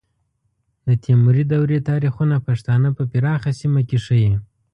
د تیموري دورې تاریخونه پښتانه په پراخه سیمه کې ښیي.